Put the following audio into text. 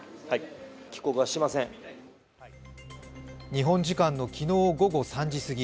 日本時間の昨日午後３時すぎ